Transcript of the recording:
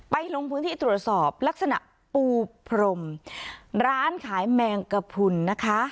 ลงพื้นที่ตรวจสอบลักษณะปูพรมร้านขายแมงกระพุนนะคะ